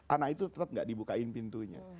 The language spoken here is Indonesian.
anak itu tetap nggak dibukain pintunya